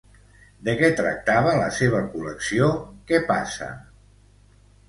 De què tractava la seva col·lecció "Què passa?"?